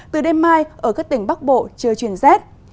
từ đêm mai ở các tỉnh bắc bộ chưa chuyển rét